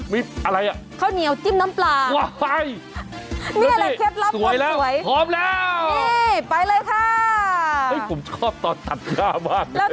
มีอะไรอ่ะข้าวเหนียวจิ้มน้ำปลานี่แหละเค็ปรับบนสวยนี่ไปเลยค่ะผมชอบตอนตัดผ้ามาก